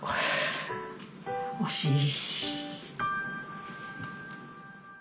惜しい。